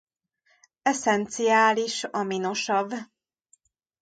Esszenciális aminosav.